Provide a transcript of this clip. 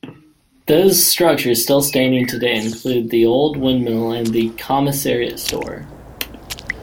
Those structures still standing today include The Old Windmill and the Commissariat Store.